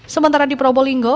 sementara di probolinggo